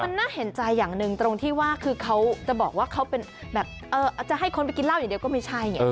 มันน่าเห็นใจอย่างหนึ่งตรงที่ว่าคือเขาจะบอกว่าเขาเป็นแบบจะให้คนไปกินเหล้าอย่างเดียวก็ไม่ใช่ไง